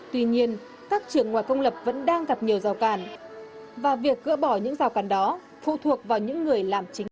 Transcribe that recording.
tuy nhiên các trường ngoài công lập vẫn đang gặp nhiều rào càn và việc gỡ bỏ những rào cản đó phụ thuộc vào những người làm chính